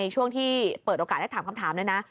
ช่วงที่เปิดโอกาสถามคำถาม